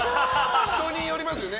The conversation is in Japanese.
人によりますよね